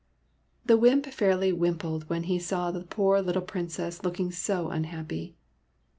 The wymp fairly wimpled when he saw the poor little Princess looking so unhappy.